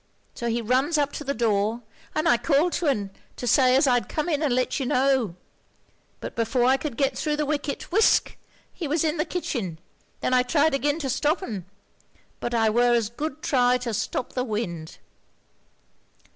So he runs up to the door, and I called to un, to say as I'd come in and let you know; but before I could get thro' the wicket, whisk he was in the kitchen; then I tried agin to stop un, but I were as good try to stop the wind.'